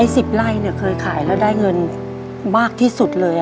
๑๐ไร่เคยขายแล้วได้เงินมากที่สุดเลย